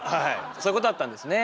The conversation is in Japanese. そういうことだったんですね。